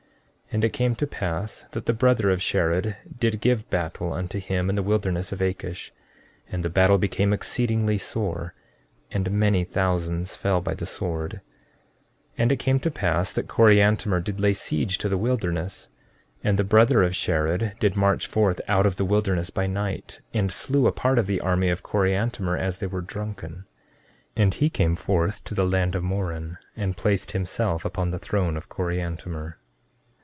14:4 And it came to pass that the brother of Shared did give battle unto him in the wilderness of Akish; and the battle became exceedingly sore, and many thousands fell by the sword. 14:5 And it came to pass that Coriantumr did lay siege to the wilderness; and the brother of Shared did march forth out of the wilderness by night, and slew a part of the army of Coriantumr, as they were drunken. 14:6 And he came forth to the land of Moron, and placed himself upon the throne of Coriantumr.